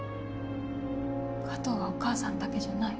加藤はお母さんだけじゃない